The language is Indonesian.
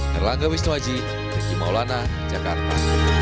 herlangga wisnuaji negimaulana jakarta